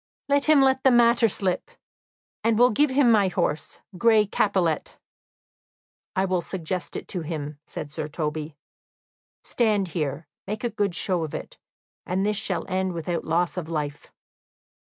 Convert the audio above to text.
"Let him let the matter slip, and will give him my horse, Gray Capilet." "I will suggest it to him," said Sir Toby. "Stand here, make a good show of it; this shall end without loss of life."